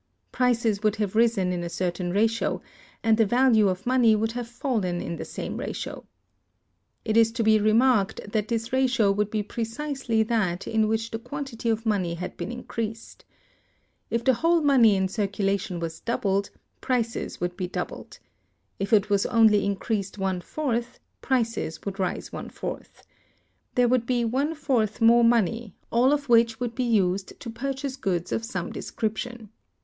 Prices would have risen in a certain ratio, and the value of money would have fallen in the same ratio. It is to be remarked that this ratio would be precisely that in which the quantity of money had been increased. If the whole money in circulation was doubled, prices would be doubled. If it was only increased one fourth, prices would rise one fourth. There would be one fourth more money, all of which would be used to purchase goods of some description.